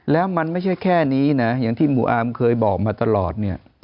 แล้วมันไม่ใช่แค่นี้นะอย่างที่หมู่อาร์มเคยบอกมาตลอดเนี่ย